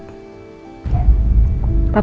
kalau papa sakit